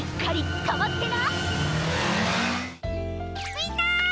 みんな！